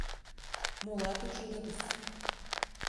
— Молат ужынытыс.